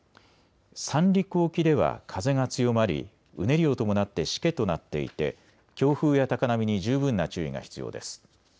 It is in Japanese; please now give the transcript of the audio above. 三陸沖では風が強まり、うねりを伴ってしけとなっていて強風や高波に十分な注意が必要です。